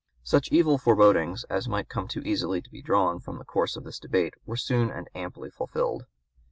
Such evil forebodings as might too easily be drawn from the course of this debate were soon and amply fulfilled.